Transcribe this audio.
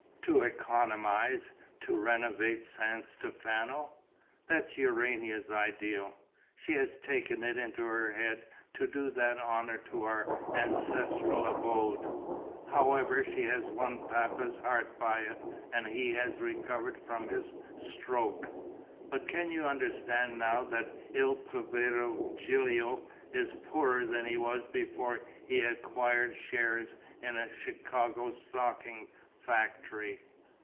To economize, to renovate San Stefano! That's Urania's ideal. She has taken it into her head to do that honour to our ancestral abode. However, she has won Papa's heart by it and he has recovered from his stroke. But can you understand now that il povero Gilio is poorer than he was before he acquired shares in a Chicago stocking factory?"